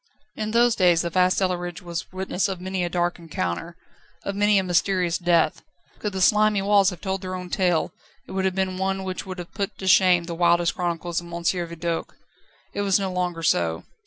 In those days the vast cellarage was witness of many a dark encounter, of many a mysterious death; could the slimy walls have told their own tale, it would have been one which would have put to shame the wildest chronicles of M. Vidoq. Now it was no longer so.